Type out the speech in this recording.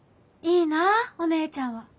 「いいなぁお姉ちゃんは。